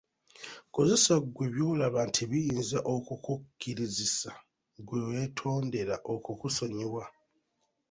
Kozesa ggwe by'olaba nti biyinza okukukkirizisa gwe weetondera okukusonyiwa.